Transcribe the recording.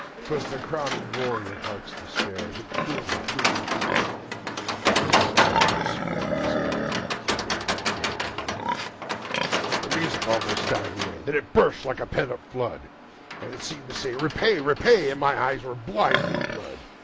'Twas the crowning cry of a heart's despair, and it thrilled you through and through "I guess I'll make it a spread misere," said Dangerous Dan McGrew. The music almost died away... then it burst like a pent up flood; And it seemed to say, "Repay, repay," and my eyes were blind with blood.